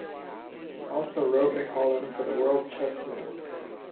He also wrote a column for the World Chess Network.